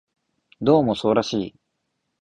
どうもそうらしい